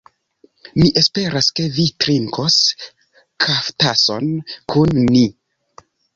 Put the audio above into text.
Mi esperas, ke vi trinkos kaftason kun ni.